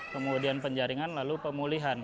kemudian penjaringan lalu pemulihan